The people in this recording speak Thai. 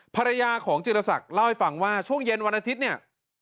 ภรรยาของจิรษักเล่าให้ฟังว่าช่วงเย็นวันอาทิตย์เนี่ย